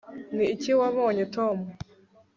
niki wabonye tom